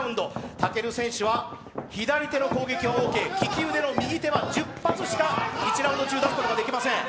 武尊選手は左手の攻撃はオーケー、利き腕の右手は１０発しか１ラウンド中、出すことができません。